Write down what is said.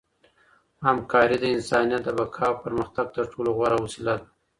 همکاري د انسانیت د بقا او پرمختګ تر ټولو غوره وسیله ده.